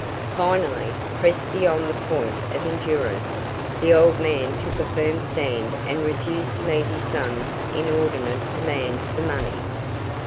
Finally, pressed beyond the point of endurance, the old man took a firm stand and refused to meet his son's inordinate demands for money.